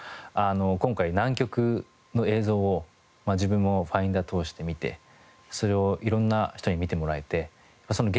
今回南極の映像を自分もファインダー通して見てそれを色んな人に見てもらえてその原点がわかりまして。